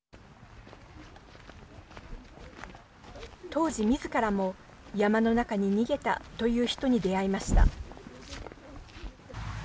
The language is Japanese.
当時、みずからも山の中に逃げたという人に出会いました。